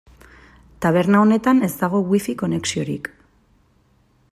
Taberna honetan ez dago Wi-Fi konexiorik.